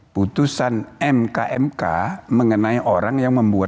putusan mk mk mengenai orang yang membuat